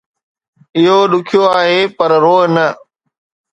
اهو ڏکيو آهي، پر روء نه